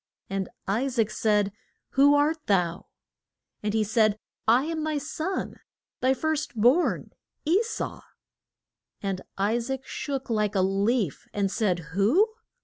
And I saac said, Who art thou? And he said, I am thy son, thy first born, E sau. And I saac shook like a leaf, and said, Who?